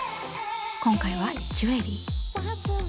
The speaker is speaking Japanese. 今回はジュエリー。